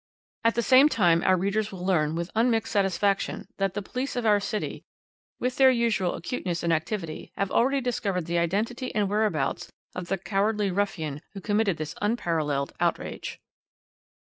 "'At the same time our readers will learn with unmixed satisfaction that the police of our city, with their usual acuteness and activity, have already discovered the identity and whereabouts of the cowardly ruffian who committed this unparalleled outrage.'"